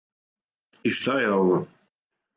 И шта је ово?